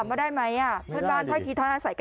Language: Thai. ถามว่าได้ไหมเพื่อนบ้านท่านอาศัยกันไหม